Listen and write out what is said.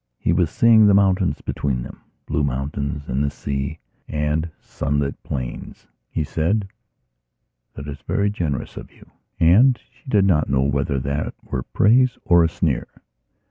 He was seeing the mountains between themblue mountains and the sea and sunlit plains. He said: "That is very generous of you." And she did not know whether that were praise or a sneer.